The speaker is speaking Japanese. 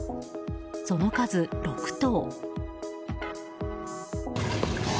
その数、６頭。